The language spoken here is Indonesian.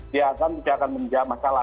dia akan tidak akan menjawab masalah